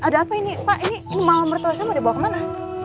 ada apa ini pak ini mau mertua sama dibawa kemana